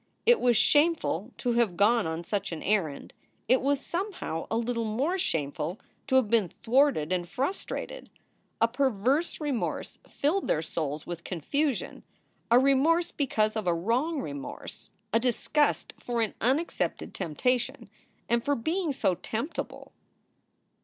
It was shameful to have gone on such an errand. It was somehow a little more shameful to have been thwarted and frustrated. A perverse remorse filled their souls with con fusion ; a remorse because of a wrong remorse, a disgust for an unaccepted temptation and for being so temptable.